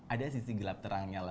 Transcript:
ada sisi gelap terangnya lah